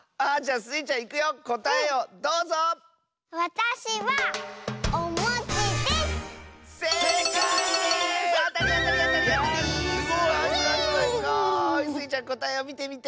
スイちゃんこたえをみてみて。